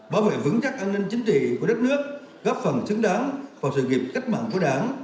bảo vệ vững chắc an ninh chính trị của đất nước góp phần xứng đáng vào sự nghiệp cách mạng của đảng